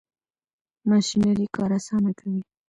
ماشینري کار اسانه کوي.